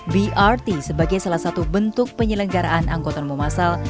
brt sebagai salah satu bentuk penyelenggaraan angkutan umum asal